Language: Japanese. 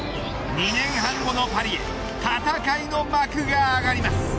２年半後のパリへ戦いの幕が上がります。